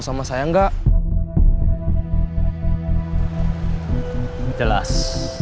sama saya enggak jelas